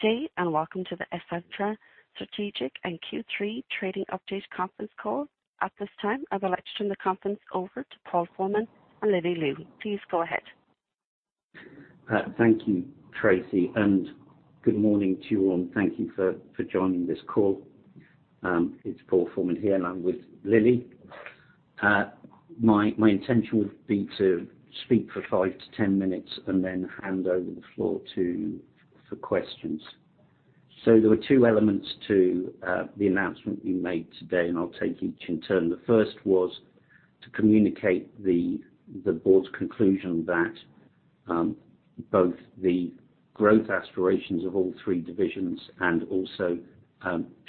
Good day, and welcome to the Essentra Strategic and Q3 Trading Update conference call. At this time, I'd like to turn the conference over to Paul Forman and Lily Liu. Please go ahead. Thank you, Tracy, and good morning to you all, and thank you for joining this call. It's Paul Forman here, and I'm with Lily. My intention would be to speak for 5-10 mins and then hand over the floor for questions. There were two elements to the announcement we made today, and I'll take each in turn. The first was to communicate the board's conclusion that both the growth aspirations of all three divisions and also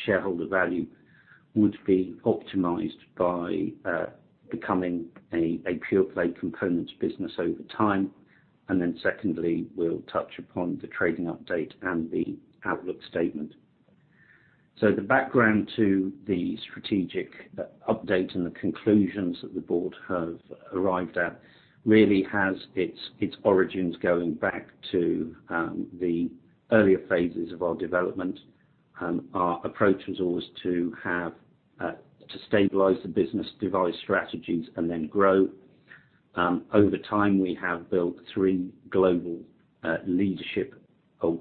shareholder value would be optimized by becoming a pure-play components business over time. Then secondly, we'll touch upon the trading update and the outlook statement. The background to the strategic update and the conclusions that the board have arrived at really has its origins going back to the earlier phases of our development. Our approach was always to have to stabilize the business, devise strategies, and then grow. Over time, we have built three global leadership or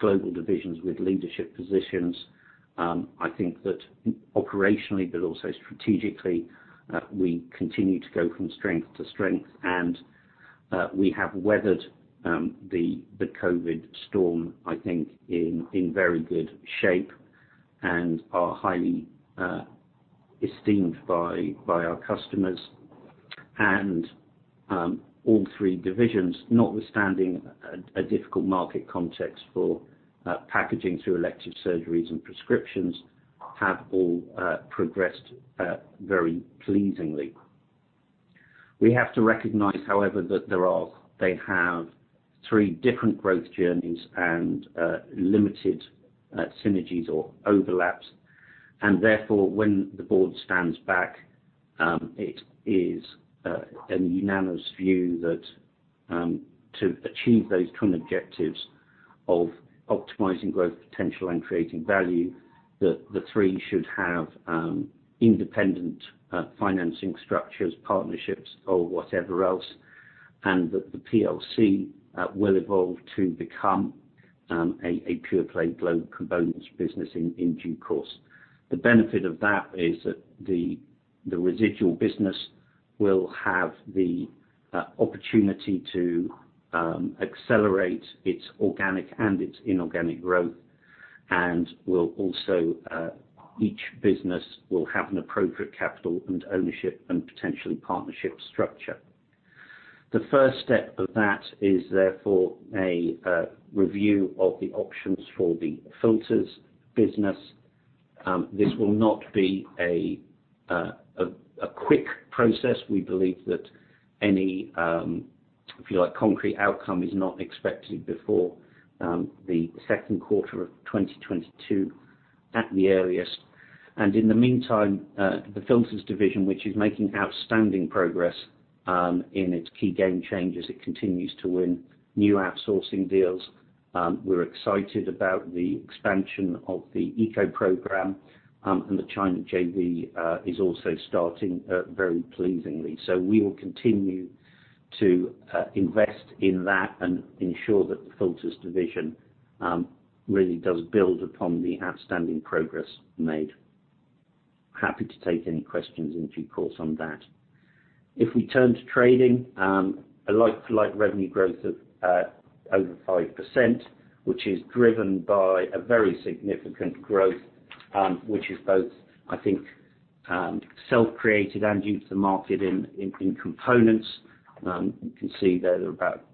global divisions with leadership positions. I think that operationally, but also strategically, we continue to go from strength to strength. We have weathered the COVID storm, I think, in very good shape and are highly esteemed by our customers. All three divisions, notwithstanding a difficult market context for packaging through elective surgeries and prescriptions, have all progressed very pleasingly. We have to recognize, however, that they have three different growth journeys and limited synergies or overlaps. Therefore, when the board stands back, it is a unanimous view that to achieve those twin objectives of optimizing growth potential and creating value, that the three should have independent financing structures, partnerships or whatever else, and that the PLC will evolve to become a pure-play global components business in due course. The benefit of that is that the residual business will have the opportunity to accelerate its organic and its inorganic growth, and will also each business will have an appropriate capital and ownership and potentially partnership structure. The first step of that is therefore a review of the options for the filters business. This will not be a quick process. We believe that any, if you like, concrete outcome is not expected before the second quarter of 2022 at the earliest. In the meantime, the filters division, which is making outstanding progress in its key game changes, it continues to win new outsourcing deals. We're excited about the expansion of the ECO Programme, and the China JV is also starting very pleasingly. We will continue to invest in that and ensure that the filters division really does build upon the outstanding progress made. Happy to take any questions in due course on that. If we turn to trading, a like-for-like revenue growth of over 5%, which is driven by a very significant growth, which is both, I think, self-created and due to the market in components. You can see that they're about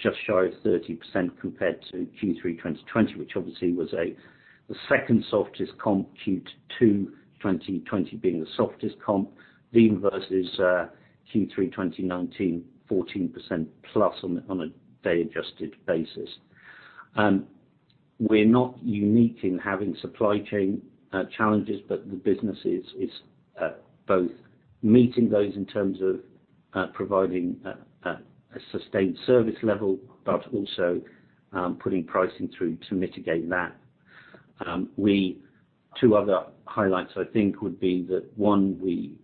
just shy of 30% compared to Q3 2020, which obviously was the second softest comp, Q2 2020 being the softest comp versus Q3 2019, 14% plus on a day adjusted basis. We're not unique in having supply chain challenges, but the business is both meeting those in terms of providing a sustained service level, but also putting pricing through to mitigate that. Two other highlights I think would be that, one, we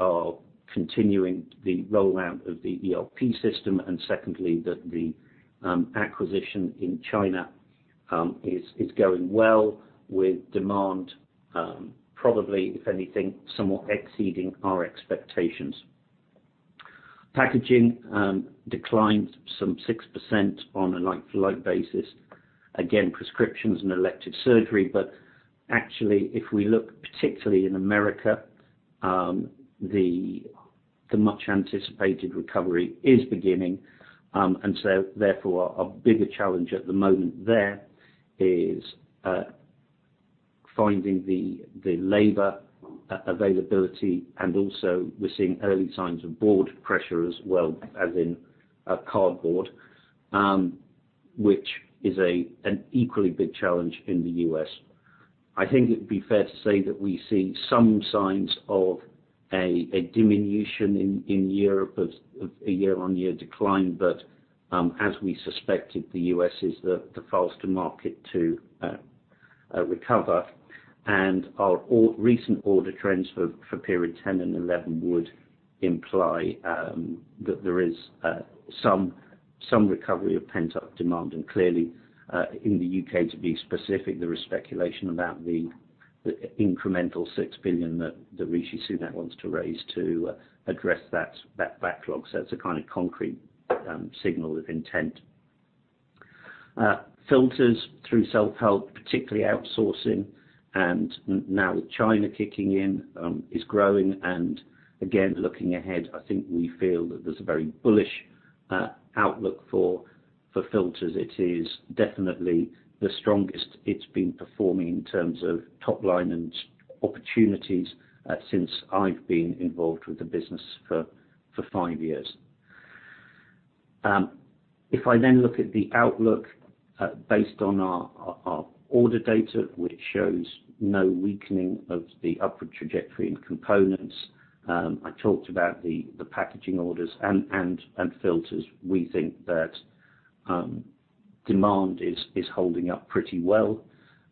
are continuing the rollout of the ERP system, and secondly, that the acquisition in China is going well with demand probably, if anything, somewhat exceeding our expectations. Packaging declined some 6% on a like-for-like basis. Prescriptions and elective surgery, but actually, if we look particularly in America, the much-anticipated recovery is beginning, and so therefore, our bigger challenge at the moment there is finding the labor availability, and also we're seeing early signs of board pressure as well as in cardboard, which is an equally big challenge in the U.S. I think it would be fair to say that we see some signs of a diminution in Europe of a year-on-year decline. As we suspected, the U.S. is the faster market to recover. Our overall recent order trends for period 10 and 11 would imply that there is some recovery of pent-up demand. Clearly, in the U.K. to be specific, there is speculation about the incremental 6 billion that Rishi Sunak wants to raise to address that backlog. It's a kind of concrete signal of intent. Filters through self-help, particularly outsourcing, and now with China kicking in, is growing. Again, looking ahead, I think we feel that there's a very bullish outlook for filters. It is definitely the strongest it's been performing in terms of top line and opportunities since I've been involved with the business for five years. If I then look at the outlook based on our order data, which shows no weakening of the upward trajectory in components, I talked about the packaging orders and filters, we think that demand is holding up pretty well.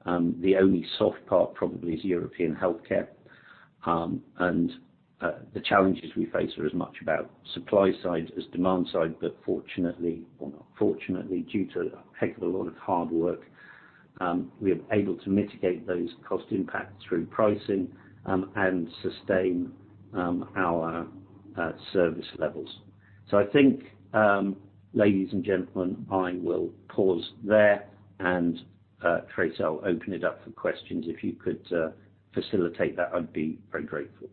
The only soft part probably is European healthcare. The challenges we face are as much about supply side as demand side, but fortunately or unfortunately, due to a heck of a lot of hard work, we are able to mitigate those cost impacts through pricing, and sustain our service levels. I think, ladies and gentlemen, I will pause there and, Tracy, I'll open it up for questions. If you could facilitate that, I'd be very grateful.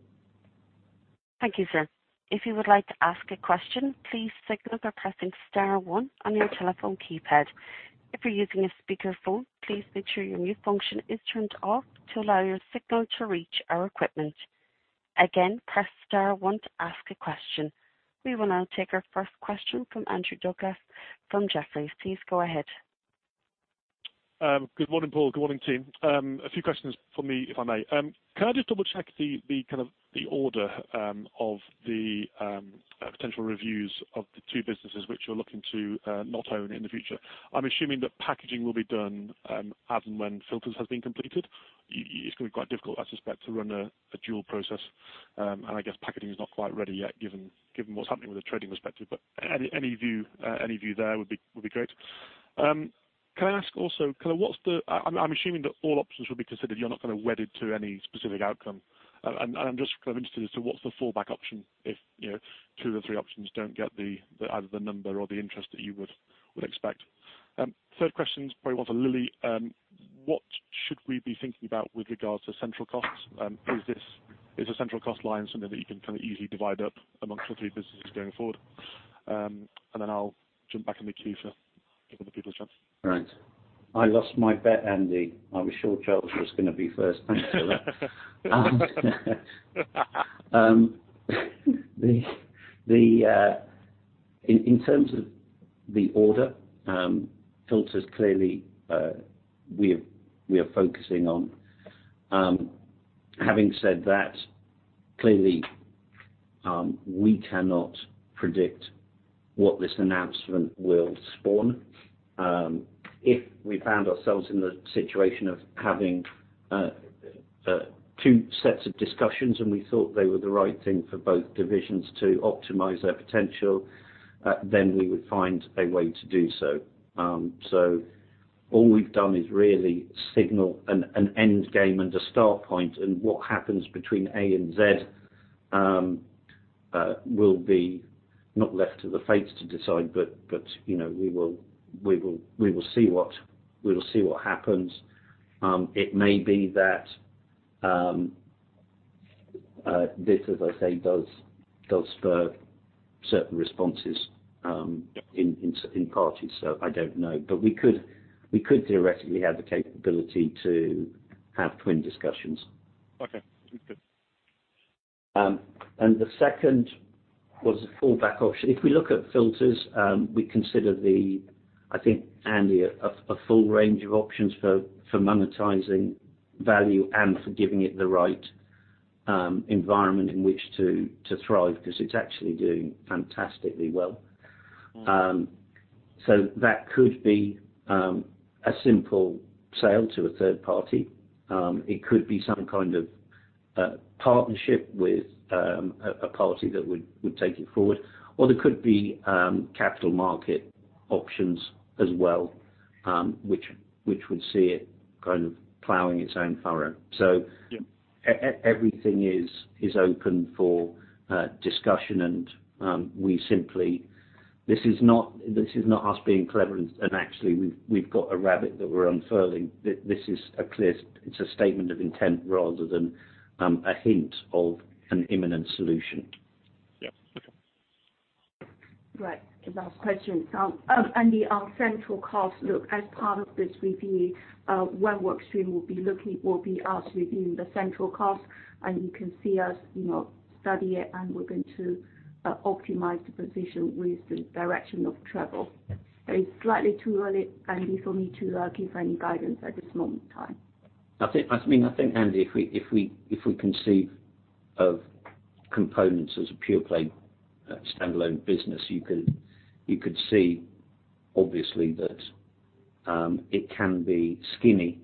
Thank you, sir. If you would like to ask a question, please signal by pressing star one on your telephone keypad. If you're using a speaker phone, please make sure your mute function is turned off to allow your signal to reach our equipment. Again, press star one to ask a question. We will now take our first question from Andrew Douglas, from Jefferies. Please go ahead. Good morning, Paul. Good morning, team. A few questions from me, if I may. Can I just double-check the kind of order of the potential reviews of the two businesses which you're looking to not own in the future? I'm assuming that packaging will be done as and when filters has been completed. It's gonna be quite difficult, I suspect, to run a dual process. I guess packaging is not quite ready yet, given what's happening with the trading perspective. Any view there would be great. Can I ask also kind of what's the. I'm assuming that all options will be considered, you're not kind of wedded to any specific outcome. I'm just kind of interested as to what's the fallback option if, you know, two or three options don't get either the number or the interest that you would expect. Third question is probably one for Lily. What should we be thinking about with regards to central costs? Is the central cost line something that you can kind of easily divide up amongst the three businesses going forward? Then I'll jump back in the queue for giving the people a chance. Right. I lost my bet, Andrew. I was sure Charles was gonna be first. Thanks, Philip. In terms of the order filters, clearly, we are focusing on. Having said that, clearly, we cannot predict what this announcement will spawn. If we found ourselves in the situation of having two sets of discussions and we thought they were the right thing for both divisions to optimize their potential, then we would find a way to do so. All we've done is really signal an end game and a start point, and what happens between A and Z will be not left to the fates to decide, but you know, we will see what happens. It may be that this, as I say, does spur certain responses in parties. I don't know. We could theoretically have the capability to have twin discussions. Okay. Good. The second was a fallback option. If we look at filters, we consider, I think, Andrew, a full range of options for monetizing value and for giving it the right environment in which to thrive, 'cause it's actually doing fantastically well. That could be a simple sale to a third party. It could be some kind of partnership with a party that would take it forward. There could be capital market options as well, which would see it kind of plowing its own furrow. Yeah. Everything is open for discussion. This is not us being clever and actually we've got a rabbit that we're unfurling. This is a clear statement of intent rather than a hint of an imminent solution. Yeah. Okay. Right. Last question. Andrew, on central costs, look, as part of this review, one work stream will be us reviewing the central costs, and you can see us, you know, study it and we're going to optimize the position with the direction of travel. It's slightly too early, Andrew, for me to give any guidance at this moment in time. I think, I mean, Andrew, if we conceive of Components as a pure play, standalone business, you could see obviously that it can be skinny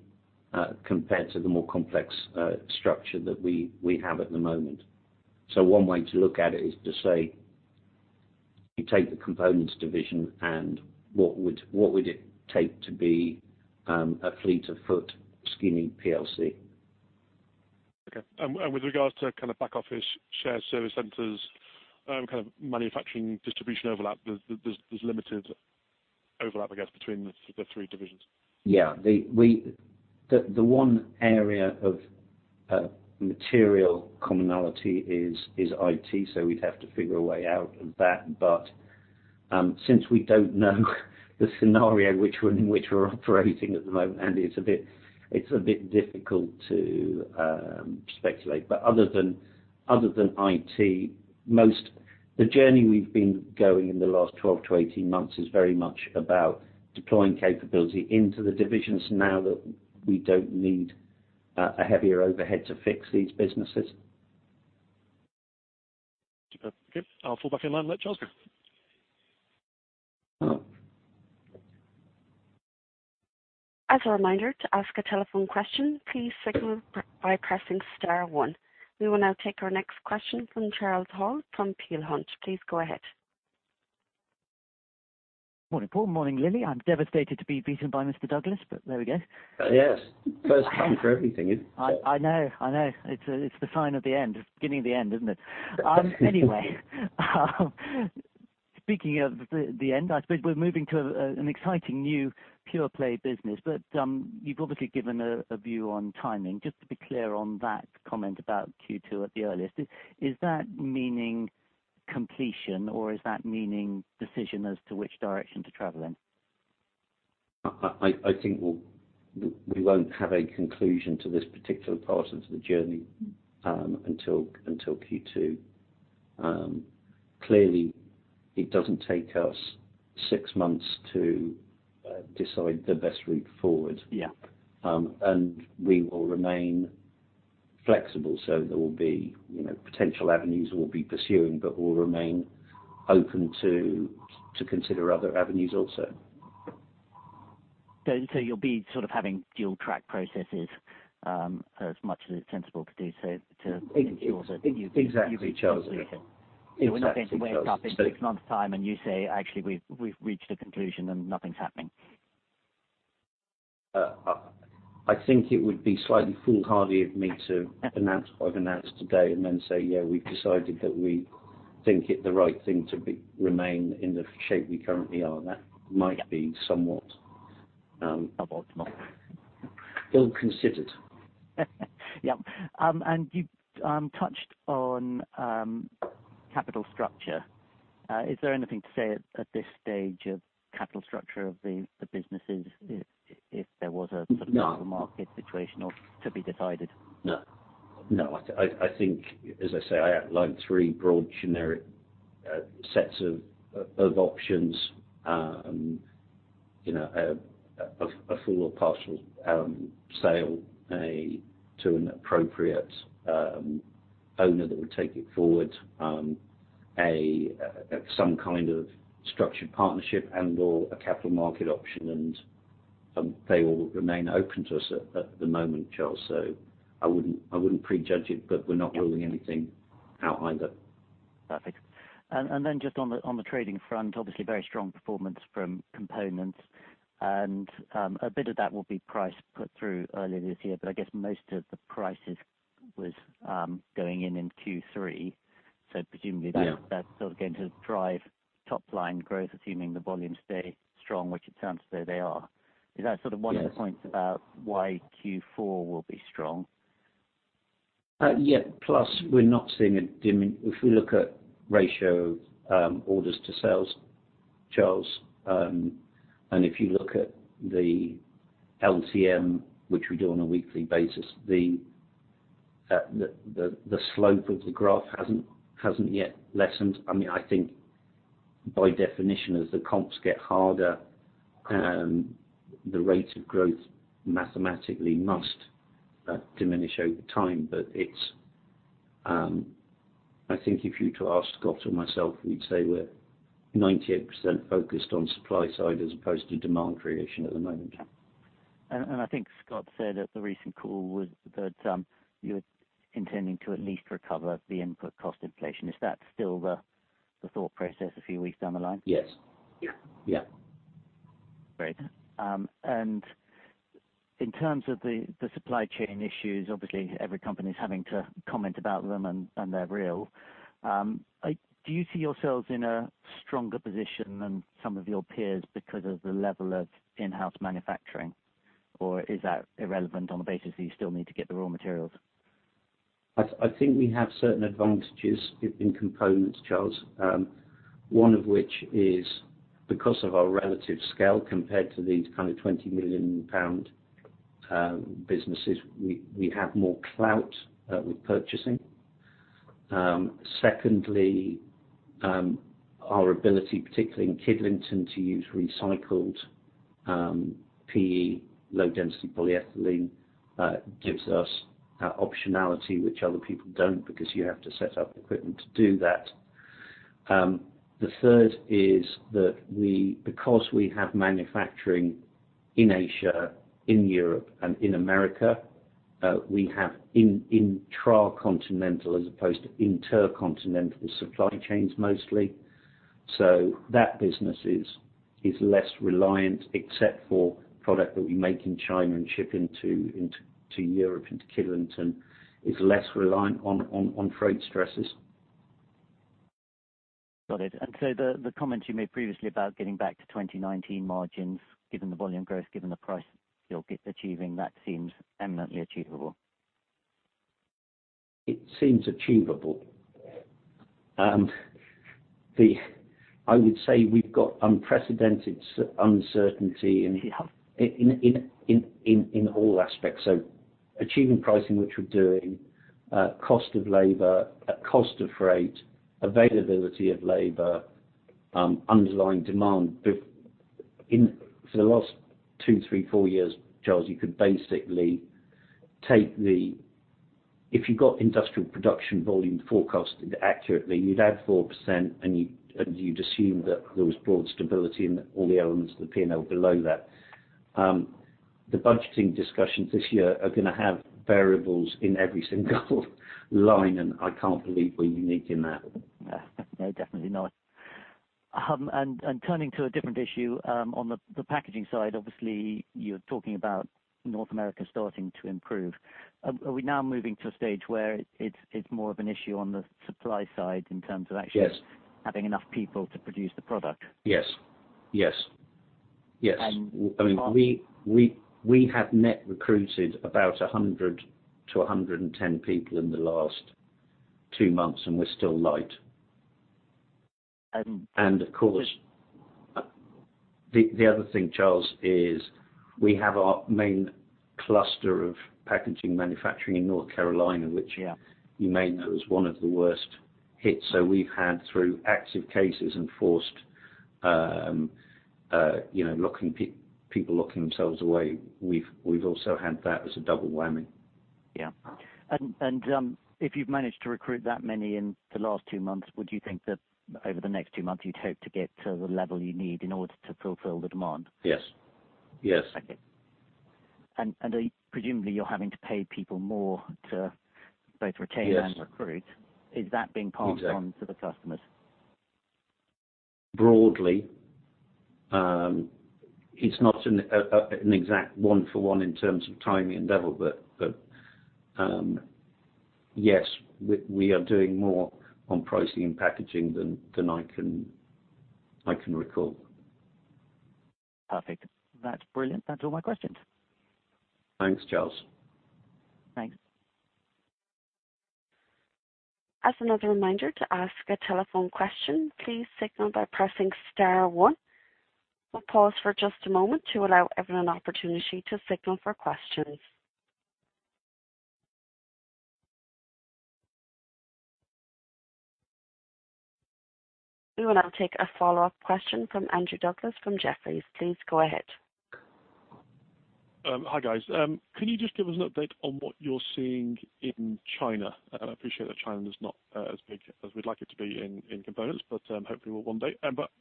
compared to the more complex structure that we have at the moment. One way to look at it is to say you take the Components division and what would it take to be a fleet of foot skinny PLC? Okay. With regard to kind of back office shared service centers, kind of manufacturing distribution overlap, there's limited overlap, I guess, between the three divisions. The one area of material commonality is IT, so we'd have to figure a way out of that. Since we don't know the scenario which we're operating at the moment, and it's a bit difficult to speculate. Other than IT, the journey we've been going in the last 12-18 months is very much about deploying capability into the divisions now that we don't need a heavier overhead to fix these businesses. Super. Okay, I'll fall back in line with Charles. Okay. As a reminder, to ask a telephone question, please signal by pressing star one. We will now take our next question from Charles Hall from Peel Hunt. Please go ahead. Morning, Paul. Morning, Lily. I'm devastated to be beaten by Mr. Douglas, but there we go. Yes. First time for everything, isn't it? I know. It's the sign of the end. It's the beginning of the end, isn't it? Anyway, speaking of the end, I suppose we're moving to an exciting new pure play business. You've obviously given a view on timing. Just to be clear on that comment about Q2 at the earliest, is that meaning completion, or is that meaning decision as to which direction to travel in? I think we won't have a conclusion to this particular part of the journey. Clearly it doesn't take us six months to decide the best route forward. Yeah. We will remain flexible. There will be, you know, potential avenues we'll be pursuing, but we'll remain open to consider other avenues also. you'll be sort of having dual track processes, as much as it's sensible to do so to ensure that you Exactly, Charles. Yeah. You reach a conclusion. Exactly, Charles. We're not going to wake up in six months' time and you say, "Actually, we've reached a conclusion, and nothing's happening. I think it would be slightly foolhardy of me to announce what I've announced today and then say, "Yeah, we've decided that we think it's the right thing to remain in the shape we currently are. Yeah. That might be somewhat ill-considered. Yeah. You touched on capital structure. Is there anything to say at this stage of capital structure of the businesses if there was a- No. Sort of capital market situation or to be decided? No. I think as I say, I outlined three broad generic sets of options. You know, a full or partial sale to an appropriate owner that would take it forward, some kind of structured partnership and/or a capital market option. They all remain open to us at the moment, Charles, so I wouldn't prejudge it. Yeah. We're not ruling anything out either. Perfect. Just on the trading front, obviously very strong performance from components. A bit of that will be price put through earlier this year. I guess most of the prices was going in Q3. Presumably that's Yeah. That's sort of going to drive top line growth, assuming the volumes stay strong, which it sounds as though they are. Is that sort of one- Yes. of the points about why Q4 will be strong? If we look at the ratio of orders to sales, Charles, and if you look at the LTM, which we do on a weekly basis, the slope of the graph hasn't yet lessened. I mean, I think by definition, as the comps get harder, the rate of growth mathematically must diminish over time. I think if you were to ask Scott or myself, we'd say we're 98% focused on supply side as opposed to demand creation at the moment. I think Scott said at the recent call was that you were intending to at least recover the input cost inflation. Is that still the thought process a few weeks down the line? Yes. Yeah. Yeah. Great. In terms of the supply chain issues, obviously every company's having to comment about them, and they're real. Do you see yourselves in a stronger position than some of your peers because of the level of in-house manufacturing, or is that irrelevant on the basis that you still need to get the raw materials? I think we have certain advantages in components, Charles, one of which is because of our relative scale compared to these kind of 20 million pound businesses. We have more clout with purchasing. Secondly, our ability, particularly in Kidlington, to use recycled PE, low-density polyethylene, gives us optionality which other people don't because you have to set up equipment to do that. The third is that because we have manufacturing in Asia, in Europe and in America, we have intra-continental as opposed to intercontinental supply chains mostly. That business is less reliant on freight stresses, except for product that we make in China and ship into Europe, into Kidlington. Got it. The comments you made previously about getting back to 2019 margins, given the volume growth, given the price you're achieving, that seems eminently achievable. It seems achievable. I would say we've got unprecedented uncertainty in all aspects. Achieving pricing which we're doing, cost of labor, cost of freight, availability of labor, underlying demand. In for the last two, three, four years, Charles, you could basically, if you got industrial production volume forecasted accurately, you'd add 4% and assume that there was broad stability in all the elements of the P&L below that. The budgeting discussions this year are gonna have variables in every single line, and I can't believe we're unique in that. Yeah. No, definitely not. Turning to a different issue, on the packaging side, obviously you're talking about North America starting to improve. Are we now moving to a stage where it's more of an issue on the supply side in terms of actually- Yes. Having enough people to produce the product? Yes. And- I mean, we have net recruited about 100-110 people in the last two months, and we're still light. Um- Of course, the other thing, Charles, is we have our main cluster of packaging manufacturing in North Carolina. Yeah. -which you may know is one of the worst hits. We've had through active cases and forced, you know, locking people locking themselves away. We've also had that as a double whammy. Yeah. If you've managed to recruit that many in the last two months, would you think that over the next two months, you'd hope to get to the level you need in order to fulfill the demand? Yes. Yes. Okay. Presumably you're having to pay people more to both retain Yes. recruit. Is that being passed on to the customers? Broadly, it's not an exact one-for-one in terms of timing and level, but yes, we are doing more on pricing and packaging than I can recall. Perfect. That's brilliant. That's all my questions. Thanks, Charles. Thanks. As another reminder, to ask a telephone question, please signal by pressing star one. We'll pause for just a moment to allow everyone an opportunity to signal for questions. We will now take a follow-up question from Andrew Douglas from Jefferies. Please go ahead. Hi, guys. Can you just give us an update on what you're seeing in China? I appreciate that China is not as big as we'd like it to be in components, but hopefully will one day.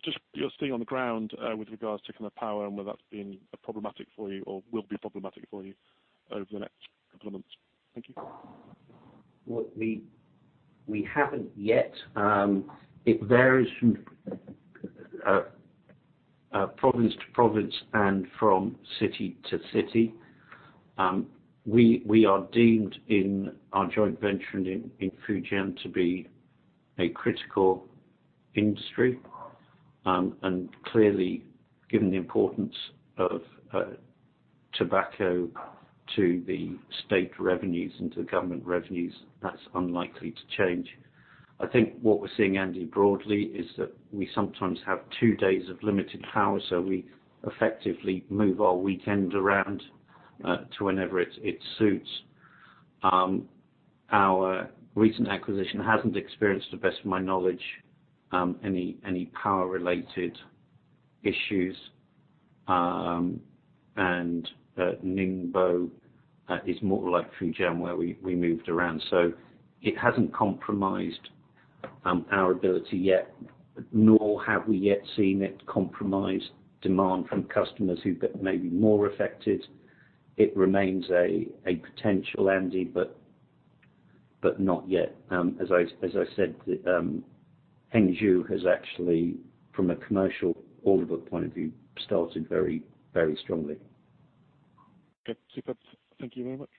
Just what you're seeing on the ground with regards to kinda power and whether that's been problematic for you or will be problematic for you over the next couple of months. Thank you. Well, we haven't yet. It varies from province to province and from city to city. We are deemed in our joint venture in Fujian to be a critical industry, and clearly, given the importance of tobacco to the state revenues and to government revenues, that's unlikely to change. I think what we're seeing, Andrew, broadly is that we sometimes have two days of limited power, so we effectively move our weekend around to whenever it suits. Our recent acquisition hasn't experienced, to the best of my knowledge, any power-related issues. Ningbo is more like Fujian, where we moved around. It hasn't compromised our ability yet, nor have we yet seen it compromise demand from customers who get maybe more affected. It remains a potential, Andrew, but not yet. As I said, the Hangzhou has actually, from a commercial order book point of view, started very, very strongly. Okay. Super. Thank you very much.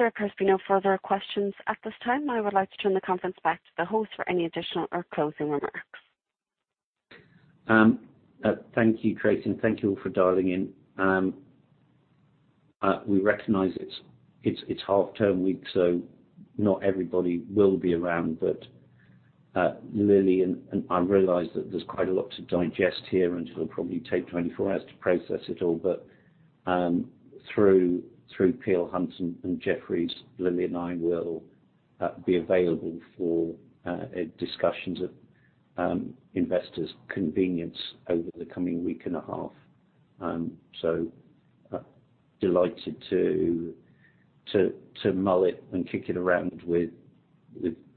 There appears to be no further questions at this time. I would like to turn the conference back to the host for any additional or closing remarks. Thank you, Tracy, and thank you all for dialing in. We recognize it's half-term week, so not everybody will be around. Lily and I realize that there's quite a lot to digest here, and it'll probably take 24 hours to process it all. Through Peel Hunt and Jefferies, Lily and I will be available for discussions at investors' convenience over the coming week and a half. Delighted to mull it and kick it around with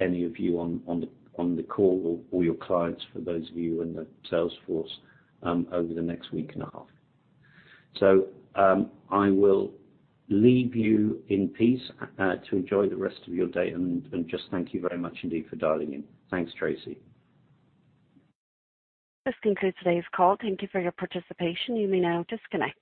any of you on the call or your clients, for those of you in the sales force, over the next week and a half. I will leave you in peace, to enjoy the rest of your day, and just thank you very much indeed for dialing in. Thanks, Tracy. This concludes today's call. Thank you for your participation. You may now disconnect.